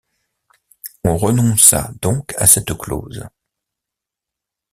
On renonça donc à cette clause.